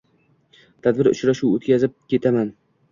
Tadbir, uchrashuv o‘tkazibketaman.